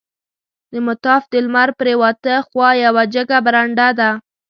د مطاف د لمر پریواته خوا یوه جګه برنډه ده.